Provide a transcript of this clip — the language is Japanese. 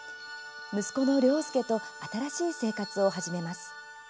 息子の涼介と新しい生活を始めます。